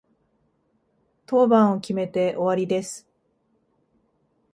当番を決めて終わりです。